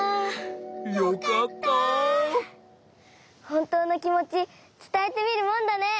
ほんとうのきもちつたえてみるもんだね。